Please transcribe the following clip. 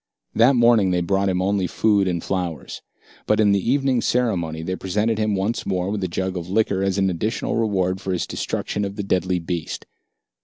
That morning they brought him only food and flowers. But at the evening ceremony they presented him once more with a jug of liquor as an additional reward for his destruction of the deadly beast.